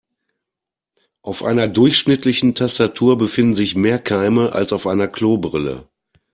Auf einer durchschnittlichen Tastatur befinden sich mehr Keime als auf einer Klobrille.